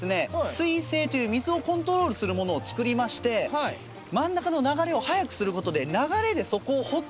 水制という水をコントロールするものを作りまして真ん中の流れを速くすることで流れで底を掘っ